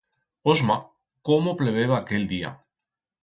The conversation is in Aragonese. Osma cómo pleveba aquel día!